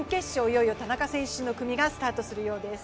いよいよ田中選手の組がスタートするようです。